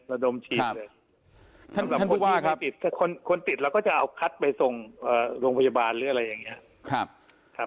สำหรับคนติดคนติดเราก็จะเอาคัตไปส่งโรงพยาบาลหรืออะไรอย่างนี้